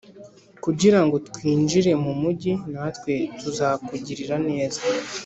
kugira ngo twinjire mu mugi; natwe tuzakugirira neza.”